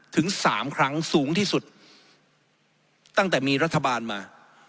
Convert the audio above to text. ถึงสามครั้งสูงที่สุดตั้งแต่มีรัฐบาลมา